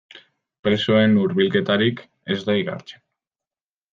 Presoen hurbilketarik ez da igartzen.